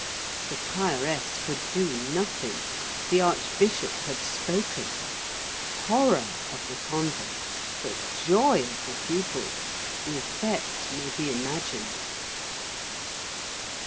The prioress could do nothing; the archbishop had spoken. Horror of the convent, but joy of the pupil. The effect may be imagined.